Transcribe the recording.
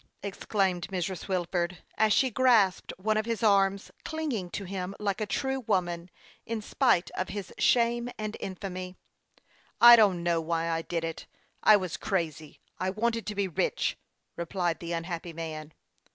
exclaimed Mrs. Wilford, as she grasped one of his arms, cling ing to him like a true woman, in spite of his shame and infamy. " I don't know why I did it. I was crazy. I wanted to be rich," replied the unhappy man.